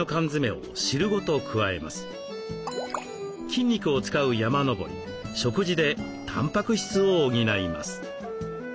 筋肉を使う山登り食事でたんぱく質を補います。